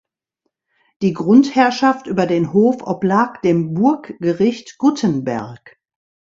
Die Grundherrschaft über den Hof oblag dem Burggericht Guttenberg.